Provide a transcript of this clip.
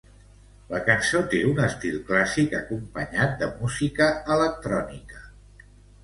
La cançó té un estil clàssic acompanyat de música electrònica.